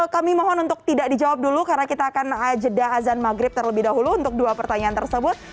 kami mohon untuk tidak dijawab dulu karena kita akan jeda azan maghrib terlebih dahulu untuk dua pertanyaan tersebut